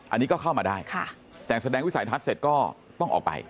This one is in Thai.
อันนี้ก็เข้ามาได้แต่แสดงวิสัยทัศน์เสร็จก็ต้องออกไป